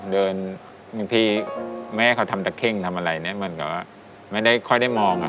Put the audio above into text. เดินพี่แม่เขาทำตะเข้งทำอะไรเนี้ยเหมือนกับไม่ได้ค่อยได้มองอ่ะ